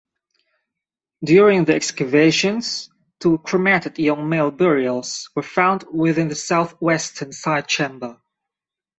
During the excavations two cremated young male burials were found within the south-western side-chamber.